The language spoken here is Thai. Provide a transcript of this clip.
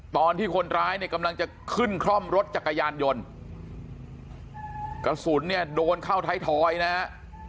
ตอนที่คนร้ายเนี่ยกำลังจะขึ้นคล่อมรถจักรยานยนต์กระสุนเนี่ยโดนเข้าไทยทอยนะฮะ